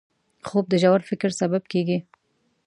خوب د ژور فکر سبب کېږي